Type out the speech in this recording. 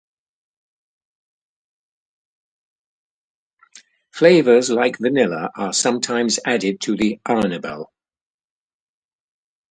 Flavors, like vanilla are sometimes added to the "arnibal".